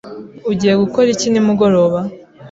Ugiye gukora iki nimugoroba?